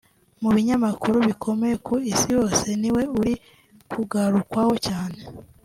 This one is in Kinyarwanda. mu binyamakuru bikomeye ku isi hose niwe uri kugarukwaho cyane